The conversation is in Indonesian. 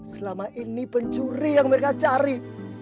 selama ini pencuri yang mereka cari